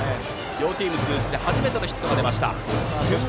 両チーム通じて初めてのヒットが出ました。